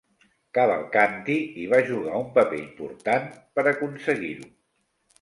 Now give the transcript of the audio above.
Cavalcanti hi va jugar un paper important per aconseguir-ho.